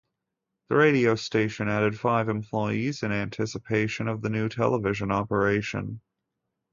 The radio station added five employees in anticipation of the new television operation.